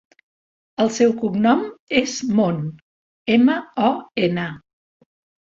El seu cognom és Mon: ema, o, ena.